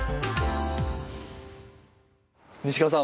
西川さん